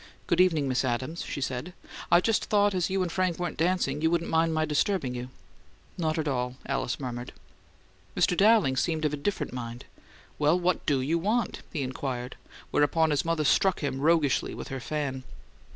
"Good evening, Miss Adams," she said. "I just thought as you and Frank weren't dancing you wouldn't mind my disturbing you " "Not at all," Alice murmured. Mr. Dowling seemed of a different mind. "Well, what DO you want?" he inquired, whereupon his mother struck him roguishly with her fan.